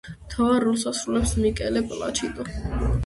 მთავარ როლს ასრულებს მიკელე პლაჩიდო.